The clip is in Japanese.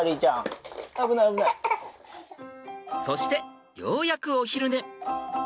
そしてようやくお昼寝。